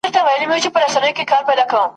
ژوند مي جهاني له نن سبا تمه شلولې ده ..